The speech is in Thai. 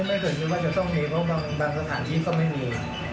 ไม่เคยคิดว่าจะต้องมีเพราะบางสถานที่ก็ไม่มี